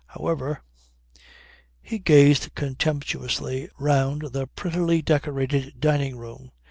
However ... He gazed contemptuously round the prettily decorated dining room.